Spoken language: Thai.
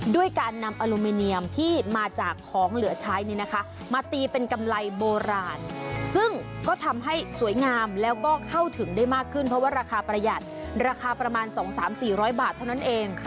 ด้วยการนำอลูมิเนียมที่มาจากของเหลือใช้มาตีเป็นกำไรโบราณซึ่งก็ทำให้สวยงามแล้วก็เข้าถึงได้มากขึ้นเพราะว่าราคาประหยัดราคาประมาณ๒๓๔๐๐บาทเท่านั้นเอง